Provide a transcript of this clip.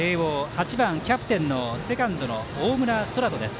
８番キャプテンセカンドの大村昊澄です。